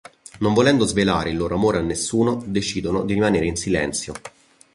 Non volendo svelare il loro amore a nessuno, decidono di rimanere in silenzio.